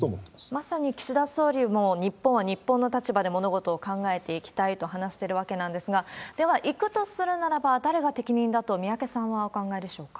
まさに岸田総理も日本は日本の立場で物事を考えていきたいと話しているわけなんですが、では行くとするならば、誰が適任だと宮家さんはお考えでしょうか。